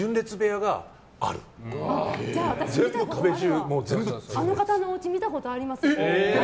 私、あの方のおうち見たことあります。